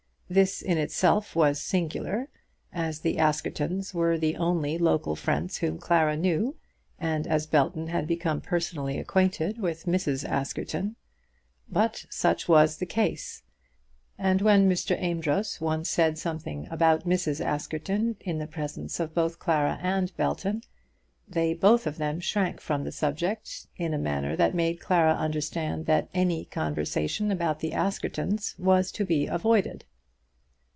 This in itself was singular, as the Askertons were the only local friends whom Clara knew, and as Belton had become personally acquainted with Mrs. Askerton. But such was the case; and when Mr. Amedroz once said something about Mrs. Askerton in the presence of both Clara and Belton, they both of them shrank from the subject in a manner that made Clara understand that any conversation about the Askertons was to be avoided.